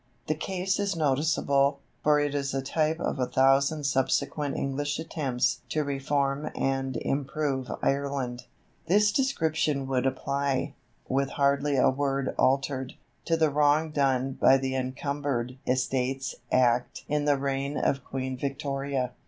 The case is noticeable, for it is a type of a thousand subsequent English attempts to reform and improve Ireland." This description would apply, with hardly a word altered, to the wrong done by the Encumbered Estates Act in the reign of Queen Victoria.